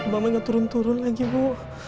mama ngeturun turun lagi bu